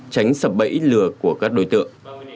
tránh sập bẫy lừa của các đối tượng